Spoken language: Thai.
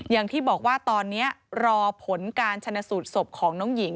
อย่างที่บอกว่าตอนนี้รอผลการชนะสูตรศพของน้องหญิง